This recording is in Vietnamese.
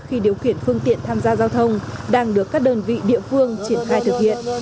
khi điều khiển phương tiện tham gia giao thông đang được các đơn vị địa phương triển khai thực hiện